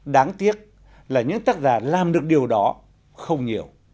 đáng tiếc là những tác giả làm được điều đó không nhiều